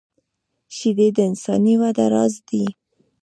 شیدې د انساني وده راز دي